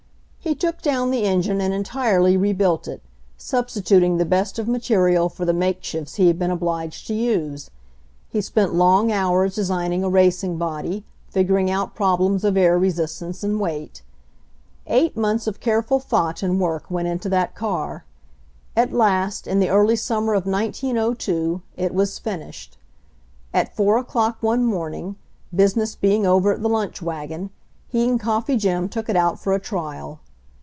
He took down the engine and entirely rebuilt it, substituting the best of material for the make shifts he had been obliged to use. He spent long hours designing a racing body, figuring out prob lems of air resistance and weight. Eight months of careful thought and work went into that car. At last, in the early summer of 1902, it was finished. At 4 o'clock one morn ing, business being over at the lunch wagon, he and Coffee Jim took it out for a trial.